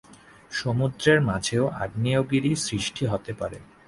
সমুদ্রের মাঝেও আগ্নেয়গিরি সৃষ্টি হতে পারে।